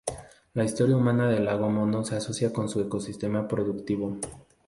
La historia humana del lago Mono se asocia con su ecosistema productivo.